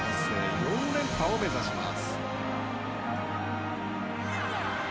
４連覇を目指します。